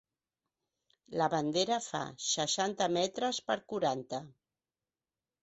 La bandera fa seixanta metres per quaranta.